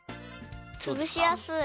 つぶしやすい。